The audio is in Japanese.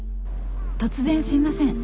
突然すいません。